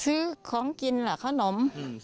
ซื้อของกินล่ะขนม